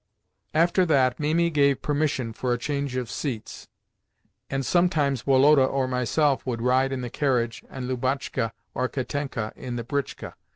After that, Mimi gave permission for a change of seats, and sometimes Woloda or myself would ride in the carriage, and Lubotshka or Katenka in the britchka.